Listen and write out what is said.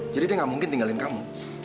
jadi dia gak mungkin tinggalin kamu